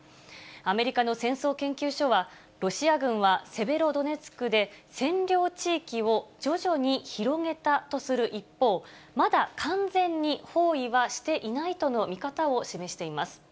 アメリカの戦争研究所は、ロシア軍はセベロドネツクで占領地域を徐々に広げたとする一方、まだ完全に包囲はしていないとの見方を示しています。